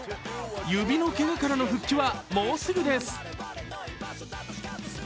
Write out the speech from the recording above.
指のけがからの復帰はもうすぐです。